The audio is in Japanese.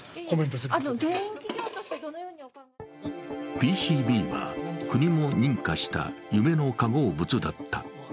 ＰＣＢは国も認可した夢の化合物だった。